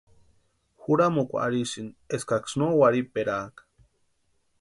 Juramukwa arhisïni eskaksï no warhiperaaka.